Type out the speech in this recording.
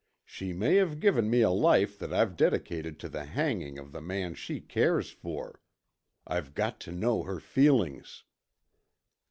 She may have given me a life that I've dedicated to the hanging of the man she cares for. I've got to know her feelings."